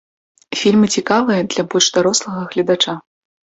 Фільмы цікавыя, для больш дарослага гледача.